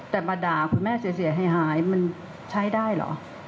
แต่มาด่าคุณแม่เสียหายมันใช้ได้เหรอ